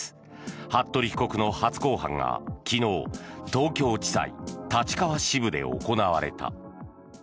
服部被告の初公判が昨日東京地裁立川支部で行われた。